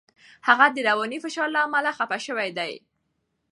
هغه د رواني فشار له امله خپه شوی دی.